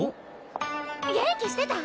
元気してた？